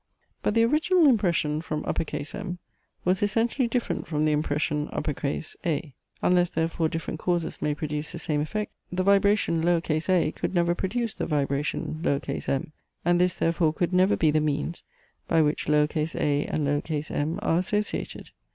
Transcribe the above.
But the original impression from M was essentially different from the impression A: unless therefore different causes may produce the same effect, the vibration a could never produce the vibration m: and this therefore could never be the means, by which a and m are associated.